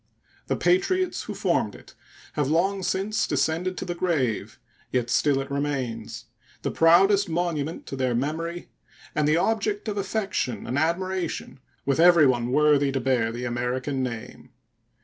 The patriots who formed it have long since descended to the grave; yet still it remains, the proudest monument to their memory and the object of affection and admiration with everyone worthy to bear the American name.